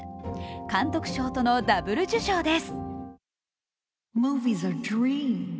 監督賞とのダブル受賞です。